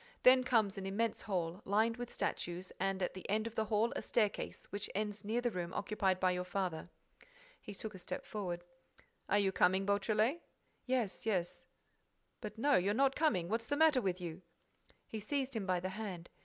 Then comes an immense hall, lined with statues, and at the end of the hall a staircase which ends near the room occupied by your father." He took a step forward. "Are you coming, Beautrelet?" "Yes, yes." "But no, you're not coming—What's the matter with you?" He seized him by the hand.